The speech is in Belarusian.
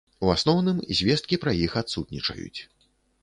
У асноўным звесткі пра іх адсутнічаюць.